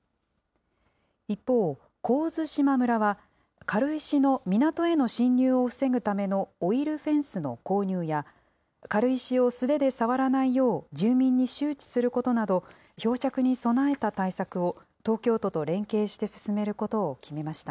一方、神津島村は、軽石の港への侵入を防ぐためのオイルフェンスの購入や、軽石を素手で触らないよう、住民に周知することなど、漂着に備えた対策を東京都と連携して進めることを決めました。